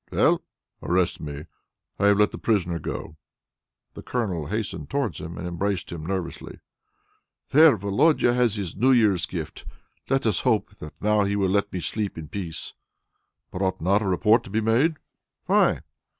"Well?" "Arrest me! I have let the prisoner go!" The Colonel hastened towards him, and embraced him nervously. "There! Volodia has his New Year's gift! Let us hope that now he will let me sleep in peace." "But ought not a report to be made?" "Why?"